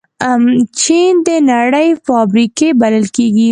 چین د نړۍ فابریکې بلل کېږي.